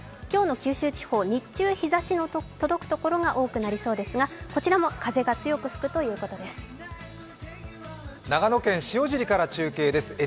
今日の九州地方、日中日ざしの届くところが多くなりそうですが、こちらも風が強く吹くということです。